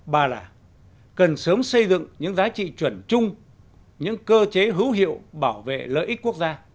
ba là cần sớm xây dựng những giá trị chuẩn chung những cơ chế hữu hiệu bảo vệ lợi ích quốc gia